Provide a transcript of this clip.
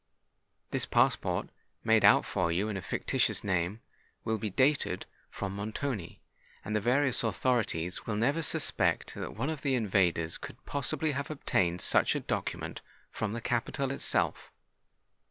This passport, made out for you in a fictitious name, will be dated from Montoni; and the various authorities will never suspect that one of the invaders could possibly have obtained such a document from the capital itself.